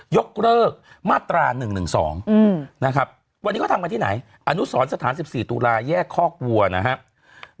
ยกเลิกมาตรา๑๑๒นะครับวันนี้เขาทำกันที่ไหนอนุสรสถาน๑๔ตุลาแยกคอกวัวนะครับ